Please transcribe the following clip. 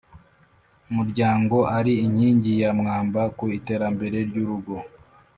muryango ari inkingi ya mwamba ku iterambere ry’urugo